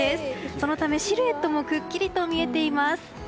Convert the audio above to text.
そのためシルエットもくっきりと見えています。